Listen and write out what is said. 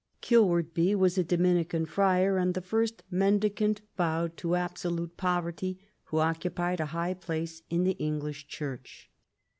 Kilwardby was a Dominican friar, and the first Mendicant vowed to absolute poverty who occupied a high place in the English Church.